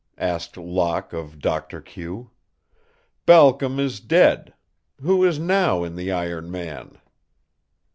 asked Locke of Doctor Q. "Balcom is dead. Who is now in the iron man?"